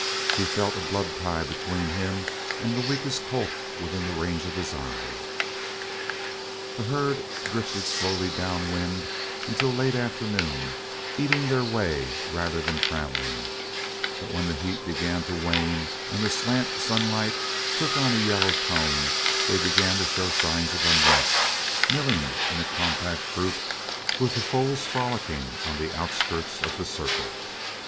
He felt a blood tie between him and the weakest colt within the range of his eye. The herd drifted slowly down wind until late afternoon, eating their way rather than travelling, but when the heat began to wane and the slant sunlight took on a yellow tone they began to show signs of unrest, milling in a compact group with the foals frolicking on the outskirts of the circle.